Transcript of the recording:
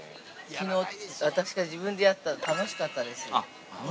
◆きのう私が自分でやったら、楽しかったですよ。